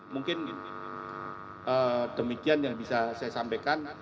mungkin demikian yang bisa saya sampaikan